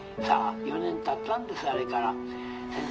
さあ４年たったんですあれから」。